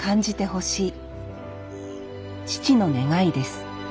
父の願いです